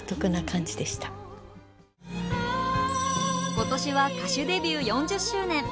今年は歌手デビュー４０周年。